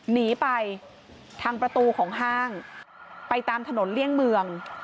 หนีไปทางประตูของห้างไปตามถนนเลี่ยงเมือง